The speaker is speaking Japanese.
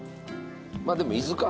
まあでも伊豆か。